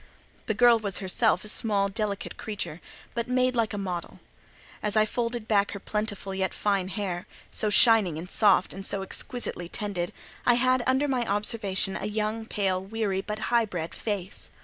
The girl was herself a small, delicate creature, but made like a model. As I folded back her plentiful yet fine hair, so shining and soft, and so exquisitely tended, I had under my observation a young, pale, weary, but high bred face.